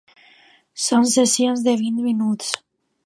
Són sessions de vint minuts.